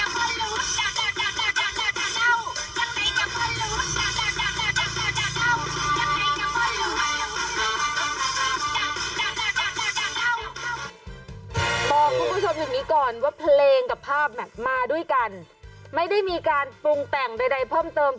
บอกคุณผู้ชมอย่างนี้ก่อนว่าเพลงกับภาพแมทมาด้วยกันไม่ได้มีการปรุงแต่งใดเพิ่มเติม